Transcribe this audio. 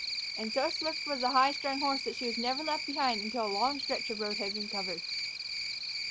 And so swift was the high strung horse that she was never left behind until a long stretch of road had been covered.